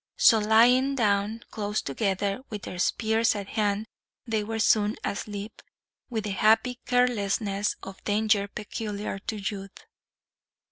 So, lying down close together, with their spears at hand, they were soon asleep, with the happy carelessness of danger peculiar to youth.